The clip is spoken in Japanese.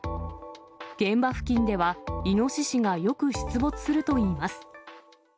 現場付近では、イノシシがよく出没するといいます。